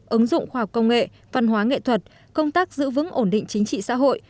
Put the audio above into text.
ứng dụng khoa học công nghệ văn hóa nghệ thuật công tác giữ vững ổn định chính trị xã hội